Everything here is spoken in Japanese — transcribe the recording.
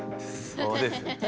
そうです。